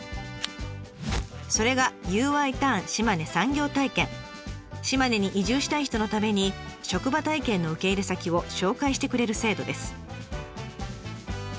それが島根に移住したい人のために職場体験の受け入れ先を紹介してくれる制度です。